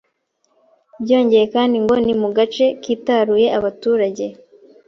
byongeye kandi ngo ni mu gace kitaruye abaturage,